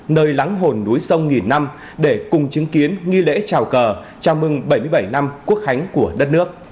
nơi lắng hồn núi sông nghìn năm để cùng chứng kiến nghi lễ trào cờ chào mừng bảy mươi bảy năm quốc khánh của đất nước